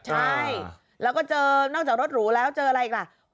ใช่แล้วก็เจอนอกจากรถหรูแล้วเจออะไรอีกล่ะ